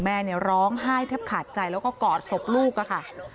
แม่ร้องไห้เท็บขาดใจแล้วก็กอดศพลูกอ่ะค่ะ